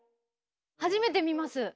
初めて見ます。